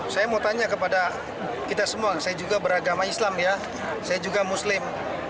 saya mau tanya kepada kita semua saya juga beragama islam ya saya juga muslim